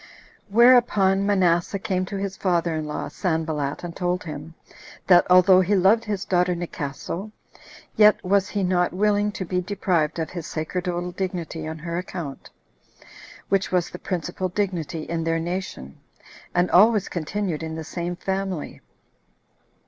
Whereupon Manasseh came to his father in law, Sanballat, and told him, that although he loved his daughter Nicaso, yet was he not willing to be deprived of his sacerdotal dignity on her account, which was the principal dignity in their nation, and always continued in the same family.